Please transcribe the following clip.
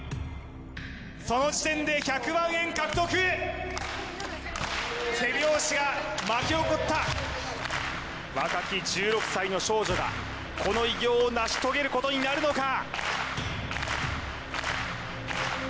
その時点で１００万円獲得手拍子が巻き起こった若き１６歳の少女がこの偉業を成し遂げることになるのか？